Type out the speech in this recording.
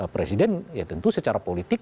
presiden ya tentu secara politik